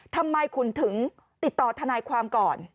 ทำไมคุณถึงติดต่อทนายความก่อน